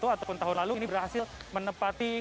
ataupun tahun lalu ini berhasil menempati